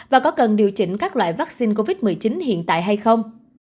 và có cần điều chỉnh các loại vaccine covid một mươi chín hiện tại hay không